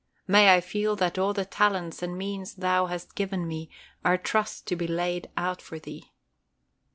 May I feel that all the talents and means Thou hast given me are trusts to be laid out for Thee.